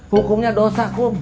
hukumnya dosa kum